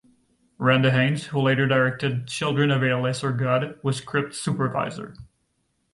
Randa Haines, who later directed "Children of a Lesser God", was script supervisor.